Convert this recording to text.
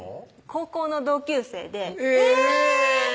高校の同級生でえぇ！